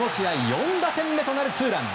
４打点目となるツーラン！